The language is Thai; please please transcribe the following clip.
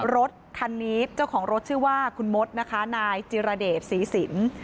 รถคันนี้เจ้าของรถชื่อว่าคุณมดนะคะนายจิรเดชศรีสิน